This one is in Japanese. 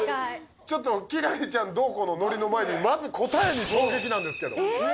ちょっと輝星ちゃんどうこうのノリの前にまず答えに衝撃なんですけど。